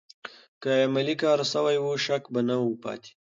که عملي کار سوی و، شک به نه و پاتې.